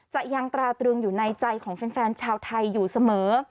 จะยังตราตรึงอยู่ในใจของแฟนชาวไทยอยู่เสมอ